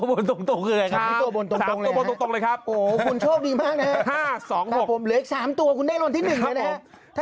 โอ้โหขนโชคดีมา่นะฮะ๕๒๖